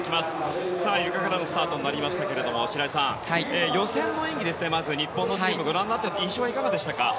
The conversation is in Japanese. ゆかからのスタートとなりましたが、白井さん予選の演技をご覧になって印象はいかがでしたか？